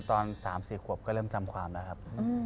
ตอน๓๔ขวบก็เริ่มจำความแล้วครับ